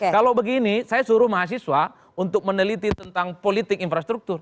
kalau begini saya suruh mahasiswa untuk meneliti tentang politik infrastruktur